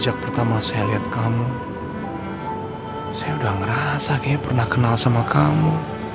aku nyariin kamu sepanjang hidup aku